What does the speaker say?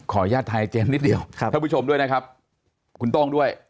ขออนุญาตให้เจมส์นิดเดียวท่านผู้ชมด้วยนะครับคุณต้องด้วย